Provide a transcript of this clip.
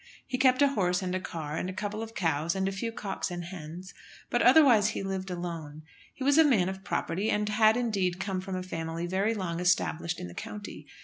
He kept a horse and a car and a couple of cows and a few cocks and hens; but otherwise he lived alone. He was a man of property, and had, indeed, come from a family very long established in the county.